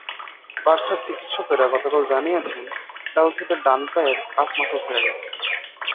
বার্সার চিকিৎসকেরা গতকাল জানিয়েছেন, ভালদেসের ডান পায়ের কাফ মাসল ছিঁড়ে গেছে।